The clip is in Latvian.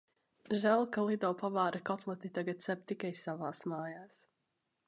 Žēl, ka Lido pavāri kotleti tagad cep tikai savās mājās.